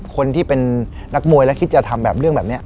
คนที่เป็นนักมวยและคิดจะทำแบบเรื่องแบบนี้